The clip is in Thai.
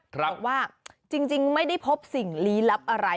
บอกว่าจริงไม่ได้พบสิ่งลี้ลับอะไร